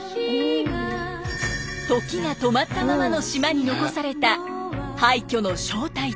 時が止まったままの島に残された廃虚の正体とは。